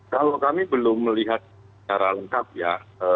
kalau kami belum melihat secara lengkap ya